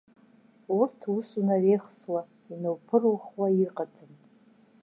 Урҭ ус унареихсуа, инауԥырухуа иҟаӡам.